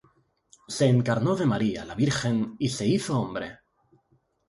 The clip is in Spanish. se encarnó de María, la Virgen, y se hizo hombre;